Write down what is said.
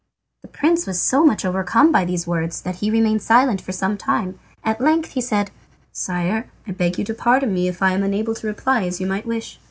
The prince was so much overcome by these words that he remained silent for some time. At length he said: "Sire, I beg you to pardon me if I am unable to reply as you might wish.